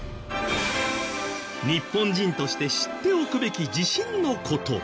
日本人として知っておくべき地震の事。